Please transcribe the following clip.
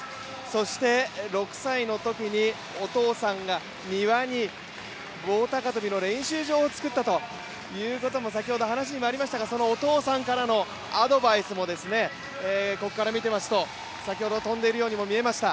そして６歳のときにお父さんが庭に棒高跳の練習場を作ったということも先ほど話にもありましたが、そのお父さんからのアドバイスも、ここから見ていますと、先ほど飛んでいるようにも見えました。